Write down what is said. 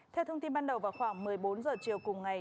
theo thông tin ban đầu vào khoảng một mươi bốn h chiều cùng ngày